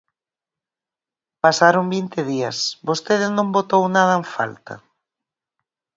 Pasaron vinte días, ¿vostede non botou nada en falta?